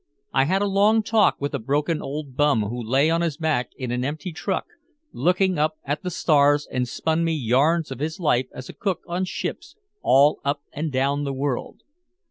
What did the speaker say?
I had a long talk with a broken old bum who lay on his back in an empty truck looking up at the stars and spun me yarns of his life as a cook on ships all up and down the world.